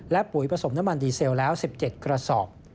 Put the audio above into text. และปุ๋ยผสมน้ำมันดีเซลแล้ว๑๗กระสอบ